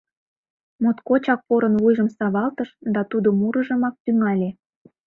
Моткочак порын вуйжым савалтыш да тудо мурыжымак тӱҥале: